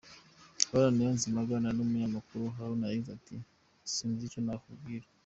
Haruna Niyonzima aganira n’umunyamakuru, Haruna yagize ati : “Sinzi icyo nakubwira.